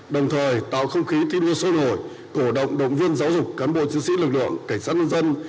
đồng thời tạo không khí thi đua sôi nổi cổ động động viên giáo dục cán bộ chiến sĩ lực lượng cảnh sát nhân dân